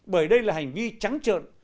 bởi đây là hành vi trắng trợn